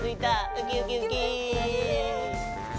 ウキウキウキ。